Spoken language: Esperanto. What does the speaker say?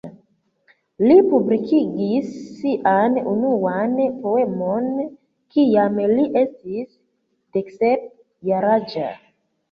Li publikigis sian unuan poemon kiam li estis deksep jaraĝa.